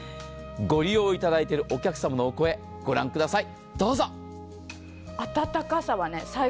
ご利用いただいているお客様のお声、ご覧ください。